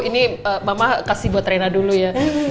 ini mama kasih buat rena dulu ya